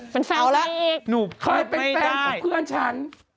เป็นแฟนของเพื่อนฉัน